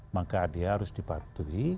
maka dia harus dipatuhi